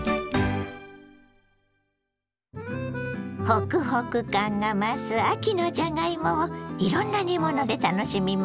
ホクホク感が増す秋のじゃがいもをいろんな煮物で楽しみましょ。